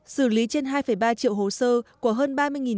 xử lý trên hai ba triệu hồ sơ của hơn ba mươi chín trăm linh doanh nghiệp